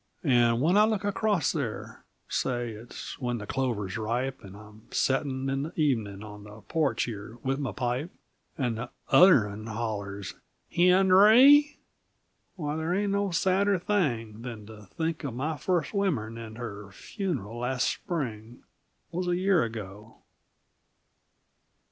And when I look acrost there Say its when the clover's ripe, And I'm settin', in the evenin', On the porch here, with my pipe, And the other'n hollers "Henry!" W'y, they ain't no sadder thing Than to think of my first womern And her funeral last spring Was a year ago.